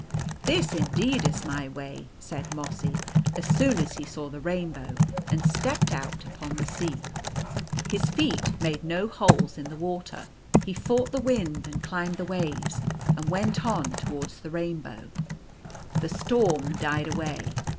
" This indeed is my way," said Mossy, as soon as he saw the rainbow, and stepped out upon the sea. His feet made no holes in the water. He fought the wind, and clomb the waves, and went on towards the rain bow. The storm died away.